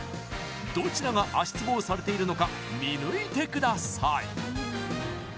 どちらが足ツボをされているのか見抜いてください